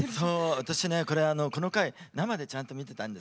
私ね、この回生で、ちゃんと見てたんです。